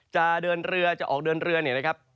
จะเดินเรือจะออกเดินเรือเนี่ยนะครับ